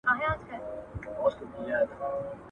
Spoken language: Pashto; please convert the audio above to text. د ميرويس نيکه اصلي نوم څه و؟